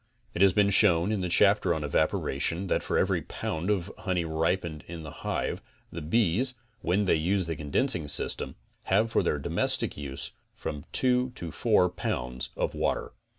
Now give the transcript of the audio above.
It has been shown in the chapter on evap oration that for every pound of honey ripened in the hive the bees, when they use the condensing system, have for their domes tictic use from two to four pounds of water.